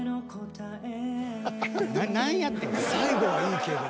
最後はいいけど。